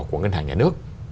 của ngân hàng nhà nước